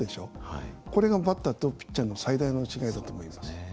これがバッターとピッチャーの最大の違いだと思います。